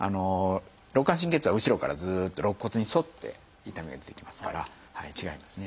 肋間神経痛は後ろからずっと肋骨に沿って痛みが出てきますから違いますね。